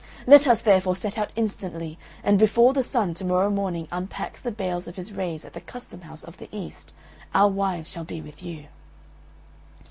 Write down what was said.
Let us, therefore, set out instantly, and before the Sun to morrow morning unpacks the bales of his rays at the custom house of the East, our wives shall be with you."